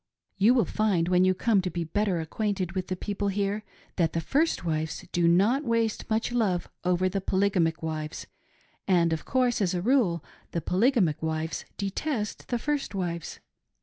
You will find, when you come to be better acquainted with the people here, that the first wives do not waste much love over the poly gamic wives ; and, of course, as a rule, the polygamic wives detest the first wives.